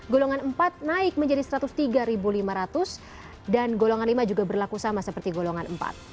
golongan empat naik menjadi rp satu ratus tiga lima ratus dan golongan lima juga berlaku sama seperti golongan empat